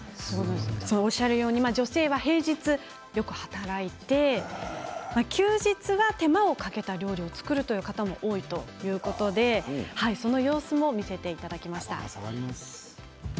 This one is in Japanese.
女性は平日よく働いて休日は手間をかけた料理を作るという方が多いということでその様子も見せていただきました。